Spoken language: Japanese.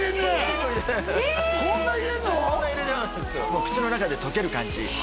もう口の中で溶ける感じ